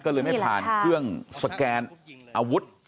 ก็เลยไม่ผ่านเครื่องสแกนอาวุธ